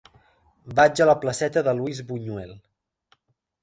Vaig a la placeta de Luis Buñuel.